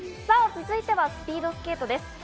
続いてはスピードスケートです。